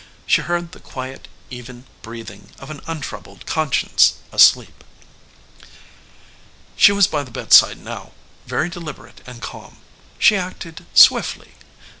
She heard the quiet, even breathing of an untroubled conscience asleep. She was by the bedside now, very deliberate and calm. She acted swiftly.